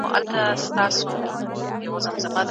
د پلاستیکي کڅوړو کارول کم کړئ.